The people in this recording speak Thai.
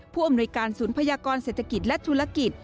ผู้อำนวยการศูนย์พยากรเศรษฐกิจและธุรกิจ